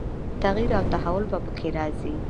تغییر او تحول به په کې راځي.